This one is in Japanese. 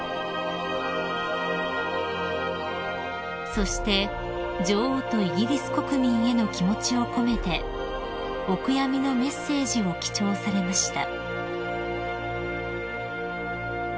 ［そして女王とイギリス国民への気持ちを込めてお悔やみのメッセージを記帳されました］